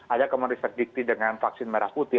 ada yang meriferdikti dengan vaksin merah putih